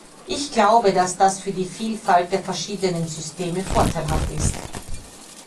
Ich glaube, dass das für die Vielfalt der verschiedenen Systeme vorteilhaft ist.